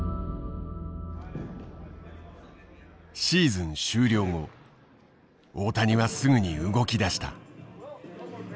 シーズン終了後大谷はすぐに動き出した。